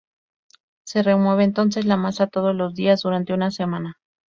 Se remueve entonces la masa todos los días durante una semana.